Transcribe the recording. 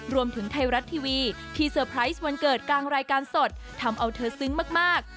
รวมถึงไทยรัฐทีวีที่เซอร์ไพรส์วันเกิดกลางรายการสดทำเอาเธอซึ้งมาก